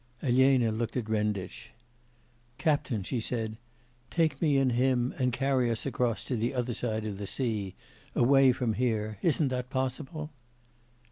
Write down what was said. Elena looked at Renditch. 'Captain,' she said, 'take me and him and carry us across to the other side of the sea, away from here. Isn't that possible?